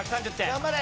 頑張れ！